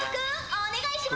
お願いします。